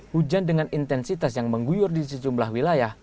hujan dengan intensitas yang mengguyur di sejumlah wilayah